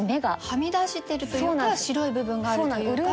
はみ出してるというか白い部分があるというか。